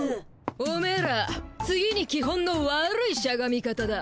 おめえら次に基本のわるいしゃがみ方だ。